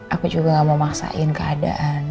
aku juga gak mau maksain keadaan